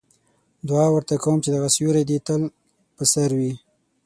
دعا ورته کوم چې دغه سیوری دې تل په سر وي.